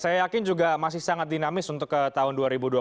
saya yakin juga masih sangat dinamis untuk ke tahun dua ribu dua puluh empat